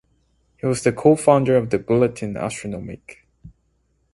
He was the co-founder of the Bulletin Astronomique.